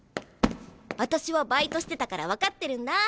あたしはバイトしてたから分かってるんだ。